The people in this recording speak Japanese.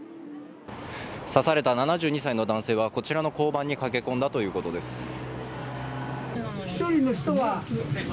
刺された７２歳の男性はこちらの交番に駆け込んだということです。